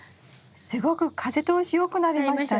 すごく風通し良くなりましたね。